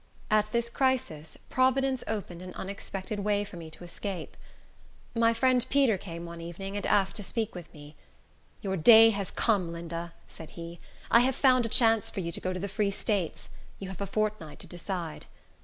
At this crisis, Providence opened an unexpected way for me to escape. My friend Peter came one evening, and asked to speak with me. "Your day has come, Linda," said he. "I have found a chance for you to go to the Free States. You have a fortnight to decide."